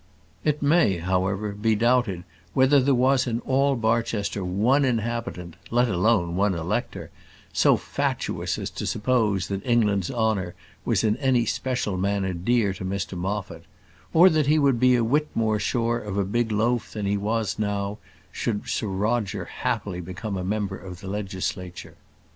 It may, however, be doubted whether there was in all Barchester one inhabitant let alone one elector so fatuous as to suppose that England's honour was in any special manner dear to Mr Moffat; or that he would be a whit more sure of a big loaf than he was now, should Sir Roger happily become a member of the legislature.